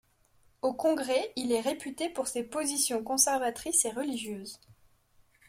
Au Congrès, il est réputé pour ses positions conservatrices et religieuses.